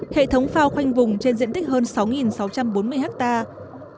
hệ thống phao khoanh vùng trên diện tích hơn sáu sáu trăm bốn mươi hectare